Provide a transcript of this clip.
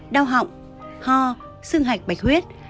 đau họng ho xương hạch bạch huyết